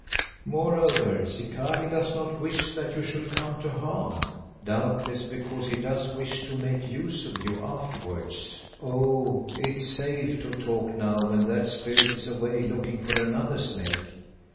Moreover, Zikali does not wish that you should come to harm, doubtless because he does wish to make use of you afterwards—oh! it's safe to talk now when that spirit is away looking for another snake.